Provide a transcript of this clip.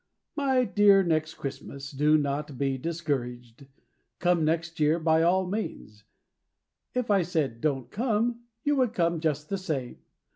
My dear Next Christmas, Do not be discouraged, Come next year by all means; If I said "Don't come" You would come just the same.